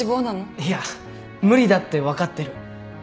いや無理だって分かってる。